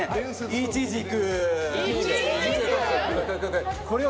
イチジク！